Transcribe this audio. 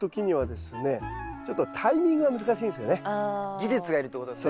技術がいるってことですね。